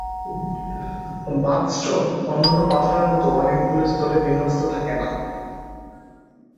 Bath stone অন্যান্য পাথরের মত অনেকগুলো স্তরে বিন্যস্ত থাকেনা।